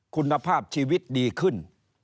คุณภาพชีวิตดีขึ้น